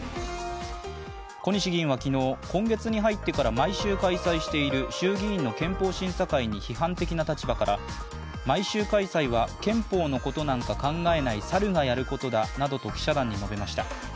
小西議員は昨日、今月に入ってから毎週開催している衆議院の憲法審査会に批判的な立場から毎週開催は憲法のことなんか考えないサルがやることだなどと記者団に述べました。